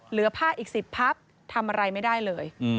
เหลือผ้าอีก๑๐พับทำอะไรไม่ได้เลย